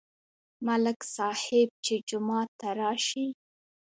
ملک صاحب چې جومات ته راشي.